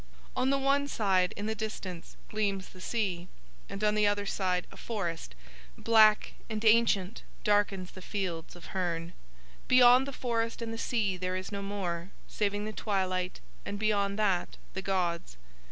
On the one side in the distance gleams the sea, and on the other side a forest, black and ancient, darkens the fields of Hurn; beyond the forest and the sea there is no more, saving the twilight and beyond that the gods.